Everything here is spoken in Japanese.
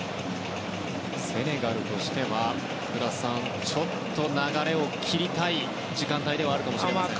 セネガルとしては、福田さんちょっと流れを切りたい時間帯かもしれません。